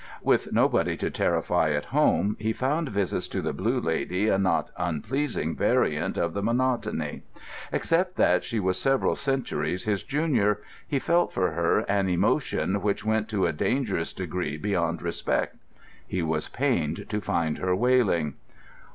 With nobody to terrify at home, he found visits to the Blue Lady a not unpleasing variant of the monotony. Except that she was several centuries his junior, he felt for her an emotion which went to a dangerous degree beyond respect. He was pained to find her wailing.